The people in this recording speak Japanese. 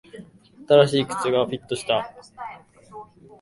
新しい靴がようやくフィットしてきた